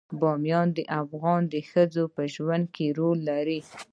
بامیان د افغان ښځو په ژوند کې رول لري.